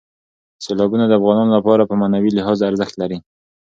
سیلابونه د افغانانو لپاره په معنوي لحاظ ارزښت لري.